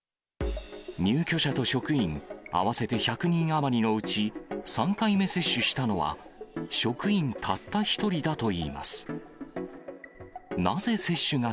入居者と職員、合わせて１００人余りのうち、３回目接種したのは、職員たった１人だといいます。